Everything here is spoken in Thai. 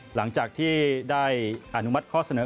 หลังจากที่ได้อนุมัติข้อเสนอ